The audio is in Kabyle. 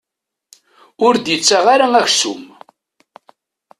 Ur d-ittaɣ ara aksum.